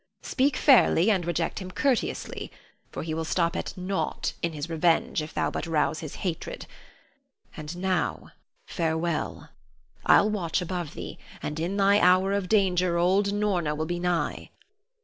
Speak fairly, and reject him courteously; for he will stop at nought in his revenge if thou but rouse his hatred. And now, farewell. I'll watch above thee, and in thy hour of danger old Norna will be nigh.